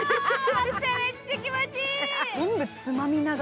待って、めっちゃ気持ちいい！